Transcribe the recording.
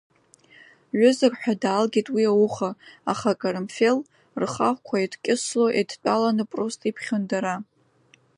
Ҩызак ҳәа даалгеит уи ауха, аха акарамфел, рхахәқәа еидкьысло еидтәаланы Пруст иԥхьон дара.